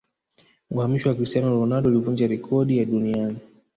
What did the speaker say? uhamisho wa cristiano ronaldo ulivunja rekodi ya duniani